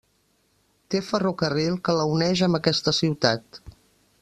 Té ferrocarril que la uneix amb aquesta ciutat.